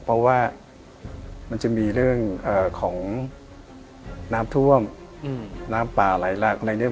เพราะว่ามันจะมีเรื่องของน้ำท่วมน้ำป่าไหลหลากอะไรเนี่ย